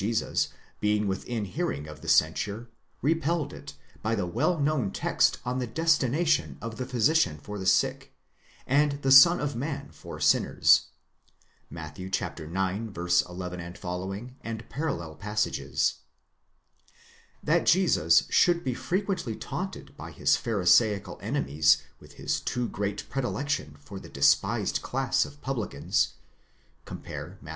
Jesus, being within hearing of the censure, repelled it by the well known text on the destination of the physician for the sick, and the Son of Man for sinners (Matt. ix. 11 ff. parall.). That Jesus should be frequently taunted by his pharisaical enemies with his too great predilection for the despised class of publicans (comp. Matt.